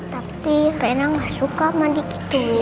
tapi rena gak suka mandi gituin